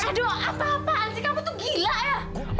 edo apa apaan sih kamu tuh gila ya